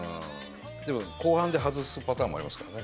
でも後半で外すパターンもありますからね。